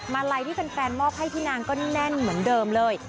ลัยที่แฟนมอบให้พี่นางก็แน่นเหมือนเดิมเลย